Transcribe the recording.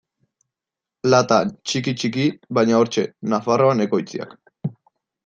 Latan, txiki-txiki, baina hortxe: Nafarroan ekoitziak.